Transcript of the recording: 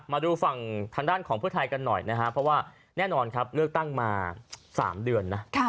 มาดูฝั่งทางด้านของเพื่อไทยกันหน่อยนะครับเพราะว่าแน่นอนครับเลือกตั้งมา๓เดือนนะ